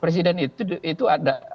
presiden itu ada